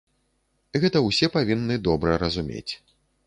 Гэта ўсе павінны добра разумець.